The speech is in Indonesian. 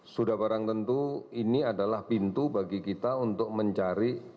sudah barang tentu ini adalah pintu bagi kita untuk mencari